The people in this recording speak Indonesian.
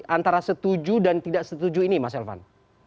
antara setuju dan tidak setuju ini mas elvan